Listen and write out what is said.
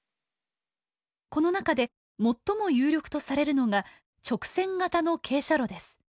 この中で最も有力とされるのが直線型の傾斜路です。